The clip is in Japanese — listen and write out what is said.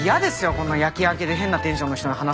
こんな夜勤明けで変なテンションの人に話すの。